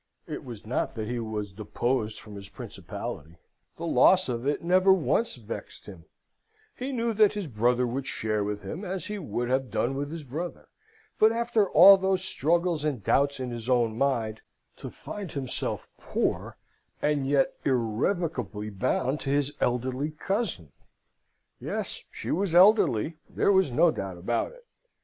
It was not that he was deposed from his principality; the loss of it never once vexed him; he knew that his brother would share with him as he would have done with his brother; but after all those struggles and doubts in his own mind, to find himself poor, and yet irrevocably bound to his elderly cousin! Yes, she was elderly, there was no doubt about it.